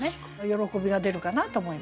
喜びが出るかなと思いますね。